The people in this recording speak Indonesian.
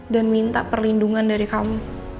dan minta perlindungan dari kamu